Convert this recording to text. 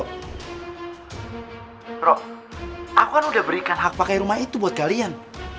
rok aku kan udah berikan hak pakai rumah itu buat kalian